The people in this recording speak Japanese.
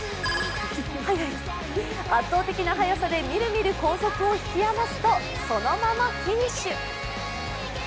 圧倒的な速さでみるみる後続を引き離すと、そのままフィニッシュ。